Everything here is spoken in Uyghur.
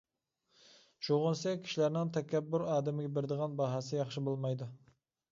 شۇغىنىسى، كىشىلەرنىڭ تەكەببۇر ئادەمگە بېرىدىغان باھاسى ياخشى بولمايدۇ.